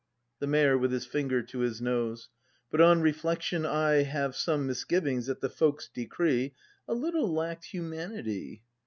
The Mayor. [With his finger to his 7iose.] But, on reflection, I have some Misojvings that the folk's decree A little lack'd humanity.